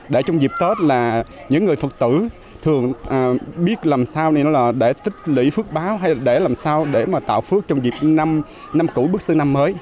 để trong dịp tết là những người phật tử thường biết làm sao là để tích lĩ phước báo hay là để làm sao để mà tạo phước trong dịp năm năm cũ bước xưa năm mới